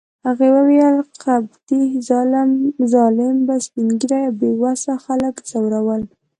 هغه وویل: قبطي ظالم به سپین ږیري او بې وسه خلک ځورول.